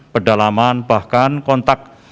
pedalaman bahkan kontak